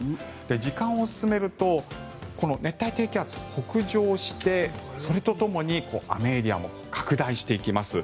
時間を進めるとこの熱帯低気圧が北上してそれとともに雨エリアも拡大していきます。